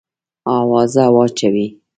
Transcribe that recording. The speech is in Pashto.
آوازه واچوې.